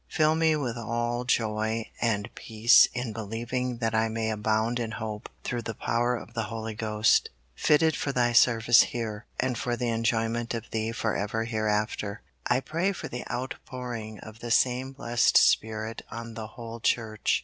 Fill me with all joy and peace in believing that I may abound in hope through the power of the Holy Ghost; fitted for Thy service here, and for the enjoyment of Thee forever hereafter. I pray for the outpouring of the same blessed Spirit on the whole Church.